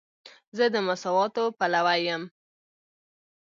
زه د مساواتو پلوی یم.